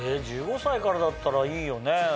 １５歳からだったらいいよね。